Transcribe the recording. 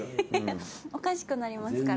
おかしくなりますから。